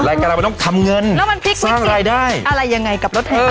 รายการเรามันต้องทำเงินแล้วมันพลิกสร้างรายได้อะไรยังไงกับรถแห่